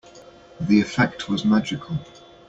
The effect was magical.